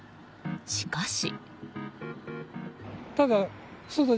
しかし。